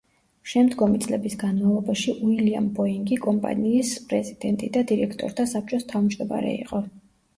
შემდგომი წლების განმავლობაში უილიამ ბოინგი კომპანიის პრეზიდენტი და დირექტორთა საბჭოს თავმჯდომარე იყო.